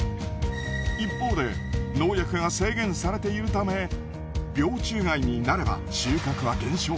一方で農薬が制限されているため病虫害になれば収穫は減少。